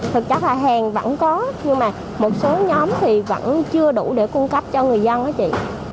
thực chất là hàng vẫn có nhưng mà một số nhóm thì vẫn chưa đủ để cung cấp cho người dân hóa chị